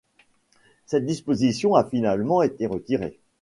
Cette disposition a finalement été retirée.